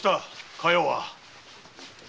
加代は？